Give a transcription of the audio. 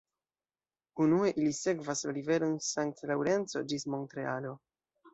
Unue ili sekvas la riveron Sankt-Laŭrenco ĝis Montrealo.